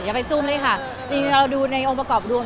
อย่าไปซุ่มเลยค่ะจริงเราดูในองค์ประกอบรวม